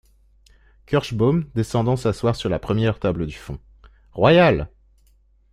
Kirschbaum, descendant s’asseoir sur la première table du fond. — Royal !